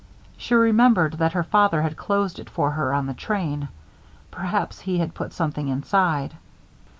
She remembered that her father had closed it for her on the train. Perhaps he had put something inside.